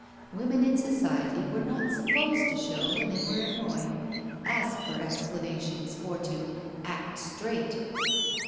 Women in Society were not supposed to show when they were annoyed, ask for explanations, or to "act straight."